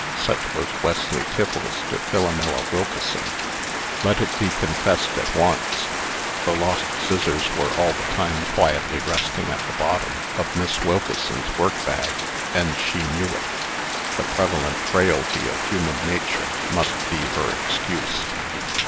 Such was Wesley Tiffles to Philomela Wilkeson. Let it be confessed at once. The lost scissors were all the time quietly resting at the bottom of Miss Wilkeson's workbag, and she knew it. The prevalent frailty of human nature must be her excuse.